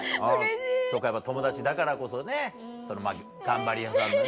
友達だからこそね頑張り屋さんのね